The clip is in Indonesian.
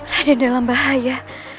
raden dalam bahaya